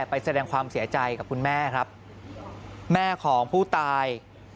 ไปแสดงความเสียใจกับคุณแม่ครับแม่ของผู้ตาย